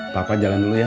papa jalan dulu ya